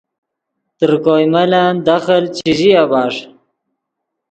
تر کوئے ملن دخل چے ژیا بݰ